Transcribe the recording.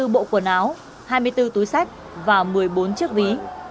hai mươi bộ quần áo hai mươi bốn túi sách và một mươi bốn chiếc ví